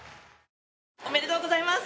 おめでとうございます。